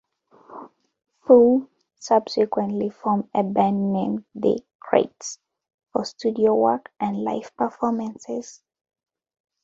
Fu subsequently formed a band named "The Krates" for studio work and live performances.